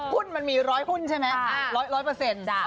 คุณมีร้อยหุ้นใช่ไหมร้อยร๊อยเปอร์เซนต์